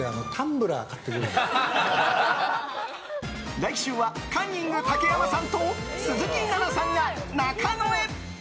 来週は、カンニング竹山さんと鈴木奈々さんが中野へ。